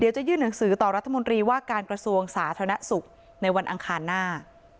จะยื่นหนังสือต่อรัฐมนตรีว่าการกระทรวงสาธารณสุขในวันอังคารหน้า